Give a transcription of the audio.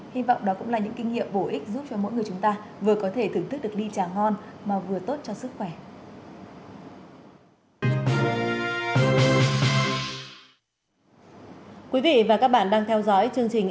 hy vọng đó cũng là những kinh nghiệm bổ ích giúp cho mỗi người chúng ta vừa có thể thưởng thức được ly tràng ngon mà vừa tốt cho sức khỏe